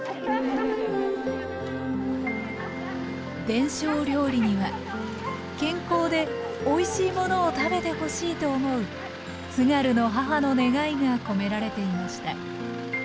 伝承料理には健康でおいしいものを食べてほしいと思う津軽の母の願いが込められていました